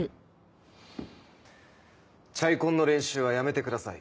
『チャイコン』の練習はやめてください。